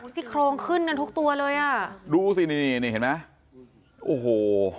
ซี่โครงขึ้นกันทุกตัวเลยอ่ะดูสินี่นี่เห็นไหมโอ้โห